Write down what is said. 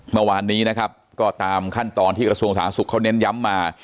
เมื่อวานนี้นะครับก็ตามขั้นตอนที่กระทรวงสาธารณสุขเขาเน้นย้ำมา